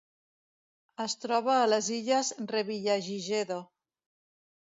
Es troba a les Illes Revillagigedo.